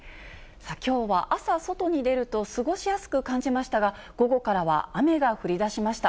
きょうは朝、外に出ると過ごしやすく感じましたが、午後からは雨が降りだしました。